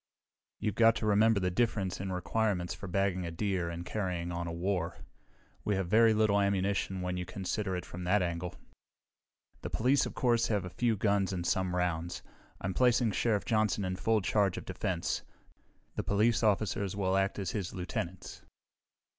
You've got to remember the difference in requirements for bagging a deer and carrying on a war. We have very little ammunition when you consider it from that angle. "The police, of course, have a few guns and some rounds. I'm placing Sheriff Johnson in full charge of defense. The police officers will act as his lieutenants."